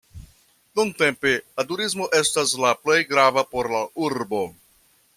Nuntempe la turismo estas la plej grava por la urbo.